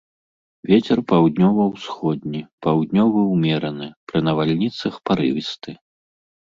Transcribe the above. Вецер паўднёва-ўсходні, паўднёвы ўмераны, пры навальніцах парывісты.